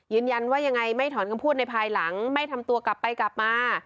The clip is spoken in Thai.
ยืนยันว่ายังไงไม่ถอนคำพูดในภายหลังไม่ทำตัวกลับไปกลับมา